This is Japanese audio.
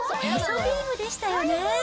へそビームでしたよね。